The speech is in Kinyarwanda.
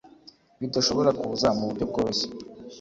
bidashobora kuza mu buryo bworoshye